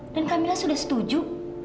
dan kamila sudah setuju